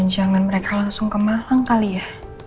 apa janjian mereka langsung ke malang kali ya